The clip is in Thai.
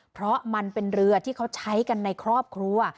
เพราะมันเป็นเรือที่เขาใช้กันในครอบครัว